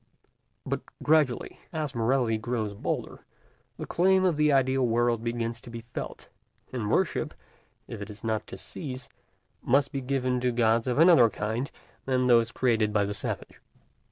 But gradually, as morality grows bolder, the claim of the ideal world begins to be felt; and worship, if it is not to cease, must be given to gods of another kind than those created by the savage.